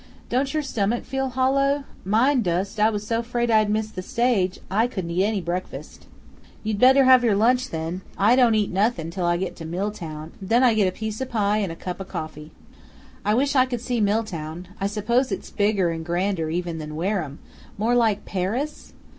Don't your stomach feel hollow? Mine doest I was so 'fraid I'd miss the stage I couldn't eat any breakfast." "You'd better have your lunch, then. I don't eat nothin' till I get to Milltown; then I get a piece o' pie and cup o' coffee." "I wish I could see Milltown. I suppose it's bigger and grander even than Wareham; more like Paris?